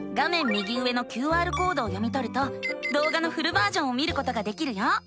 右上のＱＲコードを読みとるとどうがのフルバージョンを見ることができるよ。